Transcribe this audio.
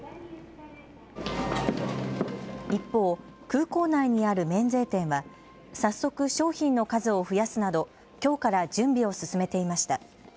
一方、空港内にある免税店は早速、商品の数を増やすなどきょうから準備を進めていました。